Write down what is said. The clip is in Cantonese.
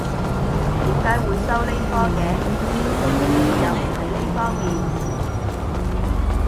點解會收呢科嘅？佢做嘅嘢又唔係呢方面